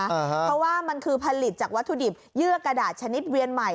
เพราะว่ามันคือผลิตจากวัตถุดิบเยื่อกระดาษชนิดเวียนใหม่